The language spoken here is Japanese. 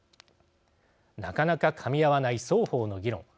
なかなかかみ合わない双方の議論。